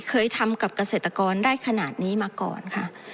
เคยทำกับเกษตรกรได้ขนาดนี้มาก่อนค่ะ